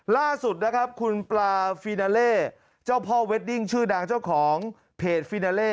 ล่าสุดนะครับคุณปลาฟีนาเล่เจ้าพ่อเวดดิ้งชื่อดังเจ้าของเพจฟินาเล่